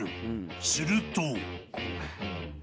［すると］